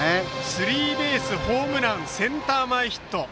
スリーベースホームラン、センター前ヒット